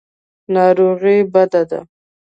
ناروغي بده ده.